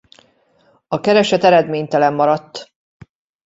A kereset eredménytelen maradt.